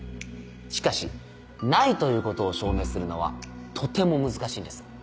しかし「ない」ということを証明するのはとても難しいんです